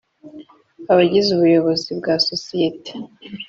Abagize Ubuyobozi bwa sosiyete